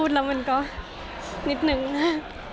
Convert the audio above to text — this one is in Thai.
หรือว่าจะเป็นเพื่อนกันกันอย่างนี้หรือเปล่า